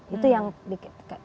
itu yang dikatakan